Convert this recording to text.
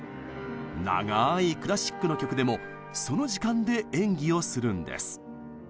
長いクラシックの曲でもその時間で演技をするんです。